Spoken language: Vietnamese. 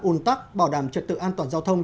un tắc bảo đảm trật tự an toàn giao thông